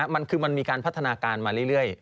มันคือมันมีการพัฒนาการมาเรื่อย